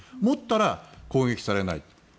持ったら攻撃されない。